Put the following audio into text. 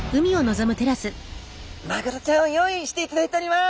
マグロちゃんを用意していただいております。